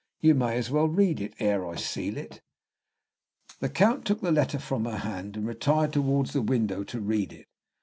You may as well read ere I seal it." The Count took the letter from her hand, and retired towards the window to read it.